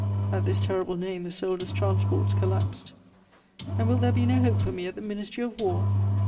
At this terrible name the soldier's transports collapsed. "And will there be no hope for me at the Ministry of War?"